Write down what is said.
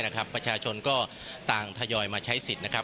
ประชาชนก็ต่างทยอยมาใช้สิทธิ์นะครับ